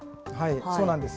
そうなんです。